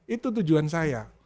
itu tujuan saya